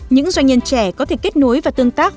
những doanh nhân trẻ có thể kết nối và tương tác